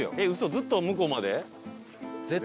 ずっと向こうまで？